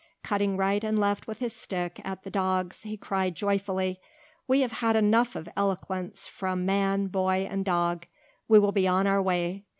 Cutting right and left with his stick at the dogs he cried joyfully, "We have had enough of eloquence from man, boy, and dog. We will be on our way.